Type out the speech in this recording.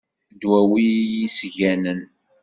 Ddwawi iyi-sganen.